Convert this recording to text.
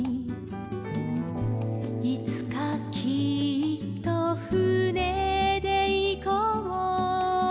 「いつかきっとふねでいこう」